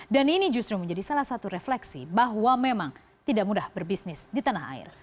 dan ini justru menjadi salah satu refleksi bahwa memang tidak mudah berbisnis di tanah air